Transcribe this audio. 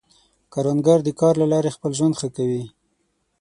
کروندګر د کار له لارې خپل ژوند ښه کوي